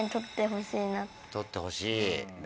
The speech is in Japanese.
取ってほしいね。